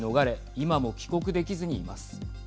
今も帰国できずにいます。